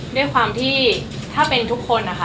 ด้วยความที่ถ้าเป็นทุกคนนะคะ